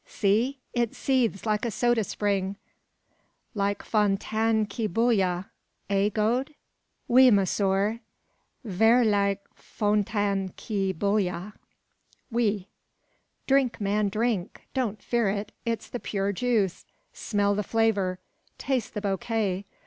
See! it seethes like a soda spring! like `Fontaine qui bouille'; eh, Gode?" "Oui, monsieur; ver like Fontaine qui bouille. Oui." "Drink, man, drink! Don't fear it: it's the pure juice. Smell the flavour; taste the bouquet.